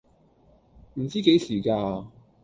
唔知幾時㗎